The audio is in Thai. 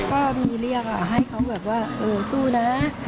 ไม่ค่อยไม่เรียกนะฮะให้เขาแบบว่าสู้นะ